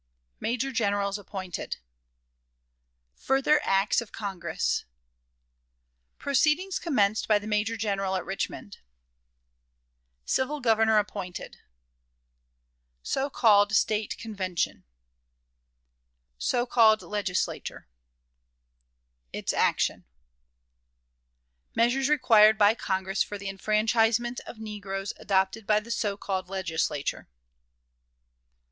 Major Generals appointed. Further Acts of Congress. Proceedings commenced by the Major General at Richmond. Civil Governor appointed. Military Districts and Sub districts. Registration. So called State Convention. So called Legislature. Its Action. Measures required by Congress for the Enfranchisement of Negroes adopted by the So called Legislature.